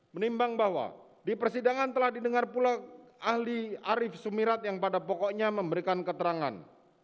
menimbang bahwa di persidangan telah didengar pula ahli arief sumirat yang pada pokoknya memberikan keterangan